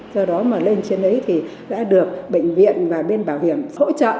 do đó mà lên trên đấy thì đã được bệnh viện và bên bảo hiểm hỗ trợ